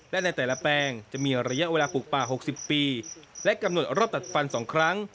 และในแต่ละแปลงจะมีระยะเวลาปลูกป่า๖๐ปีและกำหนดรอบตัดฟัน๒ครั้ง